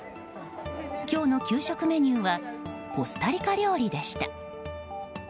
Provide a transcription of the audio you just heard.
今日の給食メニューはコスタリカ料理でした。